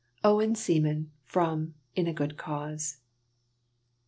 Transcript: OWEN SEAMAN. From "In a Good Cause."